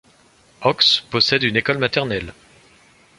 Ox possède une école maternelle.